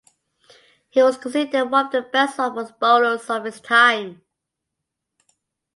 He was considered one of the best Oxford bowlers of his time.